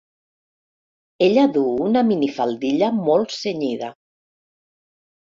Ella du una minifaldilla molt cenyida.